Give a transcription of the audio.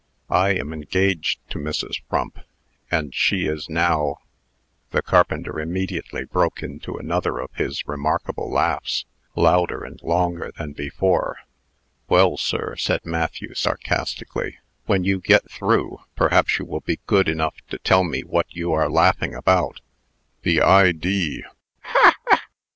I am engaged to Mrs. Frump, and she is now " The carpenter immediately broke into another of his remarkable laughs, louder and longer than before. "Well, sir," said Matthew, sarcastically, "when you get through, perhaps you will be good enough to tell me what you are laughing about?" "The idee ha! ha!